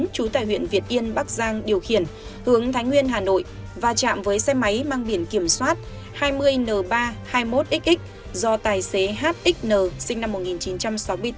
trú tại huyện việt yên bắc giang điều khiển hướng thái nguyên hà nội và chạm với xe máy mang biển kiểm soát hai mươi n ba trăm hai mươi một xx do tài xế hxn sinh năm một nghìn chín trăm sáu mươi bốn